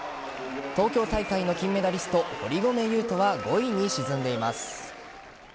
東京大会の金メダリスト堀米雄斗は５位に沈んでいます。